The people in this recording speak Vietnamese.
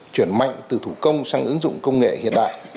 chuyển mạnh từ thủ công sang ứng dụng công nghệ hiện đại